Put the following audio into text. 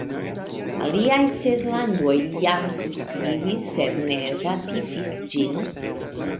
Aliaj ses landoj jam subskribis sed ne ratifis ĝin.